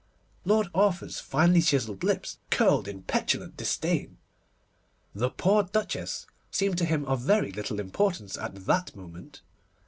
Lord Arthur's finely chiselled lips curled in petulant disdain. The poor Duchess seemed to him of very little importance at that moment.